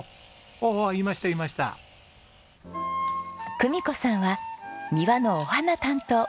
久美子さんは庭のお花担当。